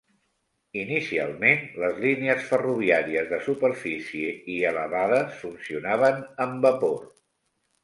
Inicialment, les línies ferroviàries de superfície i elevades funcionaven amb vapor.